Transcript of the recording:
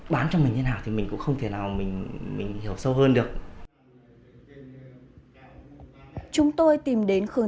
bán cho mình như thế nào thì mình cũng không thể nào mình hiểu sâu hơn được chúng tôi tìm đến khởi